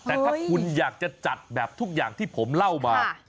แต่ถ้าคุณอยากจะจัดแบบทุกอย่างที่ผมเล่ามา